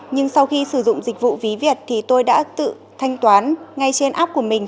nhưng sau khi sử dụng dịch vụ ví việt thì tôi đã tự thanh toán ngay trên app của mình